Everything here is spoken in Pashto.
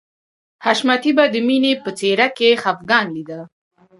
حشمتي به د مینې په څېره کې خفګان لیده